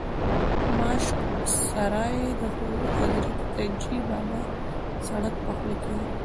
ماشک سرای د حضرتجي بابا سرک په خوله کې و.